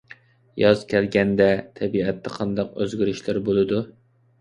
ياز كەلگەندە تەبىئەتتە قانداق ئۆزگىرىشلەر بولىدۇ؟